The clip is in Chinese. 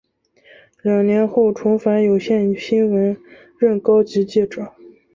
两年后重返有线新闻任高级记者。